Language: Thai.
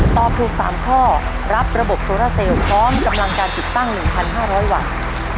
ตอบถูก๓ข้อรับระบบโซราเซลพร้อมกำลังการติดตั้ง๑๕๐๐วัตต์